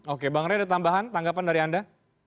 oke bang ray ada tambahan tanggapan dari anda